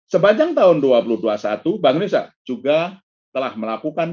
sepanjang tahun dua ribu dua puluh satu bank riset juga telah melakukan